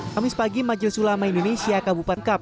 kamis pagi majelis ulama indonesia kabupaten kabupaten garut